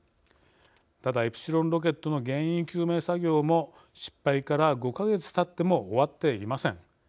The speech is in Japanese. ただ、イプシロンロケットの原因究明作業も失敗から５か月たっても終わっていません。